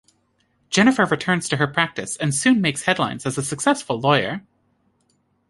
Jennifer returns to her practice and soon makes headlines as a successful lawyer.